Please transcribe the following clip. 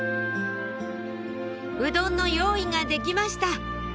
うどんの用意ができました